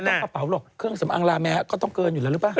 กระเป๋าหรอกเครื่องสำอางลาแม้ก็ต้องเกินอยู่แล้วหรือเปล่า